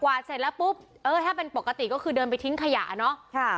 เสร็จแล้วปุ๊บเออถ้าเป็นปกติก็คือเดินไปทิ้งขยะเนาะ